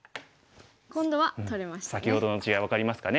今度は取れましたね。